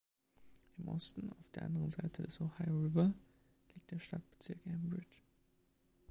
Im Osten, auf der anderen Seite des Ohio River, liegt der Stadtbezirk Ambridge.